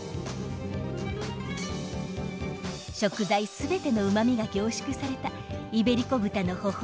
食材すべてのうまみが凝縮されたイベリコ豚のほほ肉。